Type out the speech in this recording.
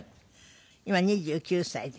今２９歳で？